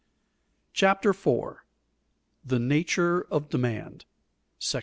CHAPTER 4 THE NATURE OF DEMAND § I.